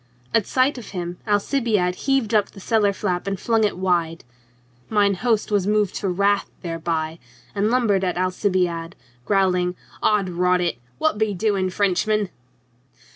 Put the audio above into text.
At sight of him Alcibiade heaved up the cellar flap and flung it full wide. Mine host was moved to wrath thereby, and lum bered at Alcibiade, growling: " 'Od rot it! What be doing, Frenchman?"